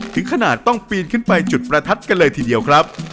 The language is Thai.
ถึงขนาดต้องปีนขึ้นไปจุดประทัดกันเลยทีเดียวครับ